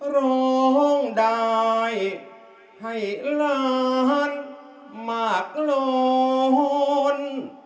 ร้องได้ให้ล้านมากร้อน